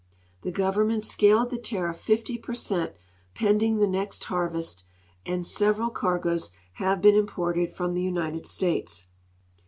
The government scaled the tariff 50 i)cr cent, ])cnding the next harvest, and .several cargoes have been imported from the United States.